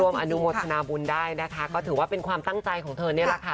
อนุโมทนาบุญได้นะคะก็ถือว่าเป็นความตั้งใจของเธอนี่แหละค่ะ